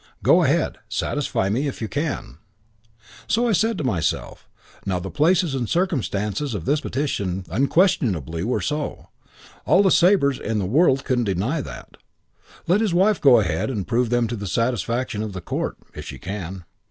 Go ahead. Satisfy me if you can.' "So I said to myself: now the places and the circumstances of this petition unquestionably were so. All the Sabres in the world couldn't deny that. Let his wife go ahead and prove them to the satisfaction of the Court, if she can.